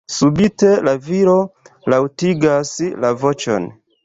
Subite, la viro laŭtigas la voĉon.